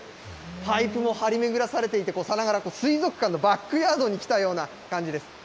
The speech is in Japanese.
パイプも張り巡らされていて、さながら水族館のバックヤードに来たような感じです。